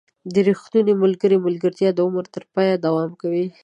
• د ریښتوني ملګري ملګرتیا د عمر تر پایه دوام کوي.